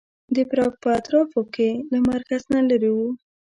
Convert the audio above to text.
د پراګ په اطرافو کې له مرکز نه لرې و.